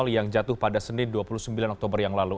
yang jatuh pada senin dua puluh sembilan oktober yang lalu